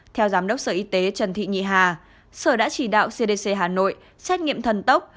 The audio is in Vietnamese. theo giám đốc sở y tế trần thị nhị hà sở đã chỉ đạo cdc hà nội xét nghiệm thần tốc